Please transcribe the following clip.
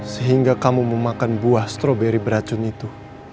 sehingga kamu memakan buah stroberi beracun itu